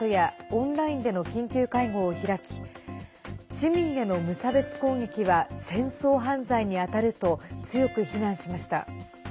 オンラインでの緊急会合を開き市民への無差別攻撃は戦争犯罪にあたると強く非難しました。